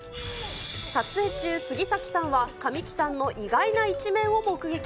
撮影中、杉咲さんは神木さんの意外な一面を目撃。